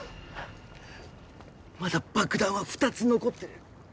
まだ爆弾は２つ残ってる。